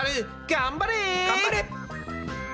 頑張れ！